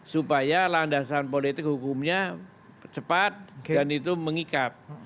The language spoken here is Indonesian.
supaya landasan politik hukumnya cepat dan itu mengikat